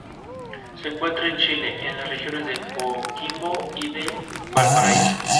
Se encuentra en Chile en las regiones de Coquimbo y de Valparaíso.